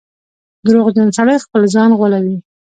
• دروغجن سړی خپل ځان غولوي.